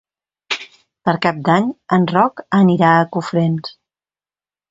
Per Cap d'Any en Roc anirà a Cofrents.